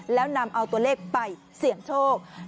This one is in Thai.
แล้วนำเอาตัวเลขไปเสี่ยงโชค